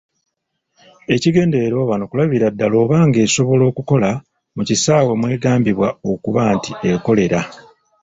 Ekigendererwa wano kulabira ddala oba ng'esobola okukola mu kisaawe mw’egambibwa okuba nti ekolera.